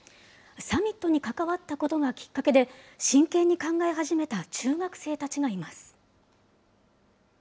サミットに関わったことがきっかけで、真剣に考え始めた中学生たちがいます。